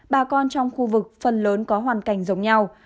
bà con trong khu vực phần lớn có hoàn cảnh giống nhau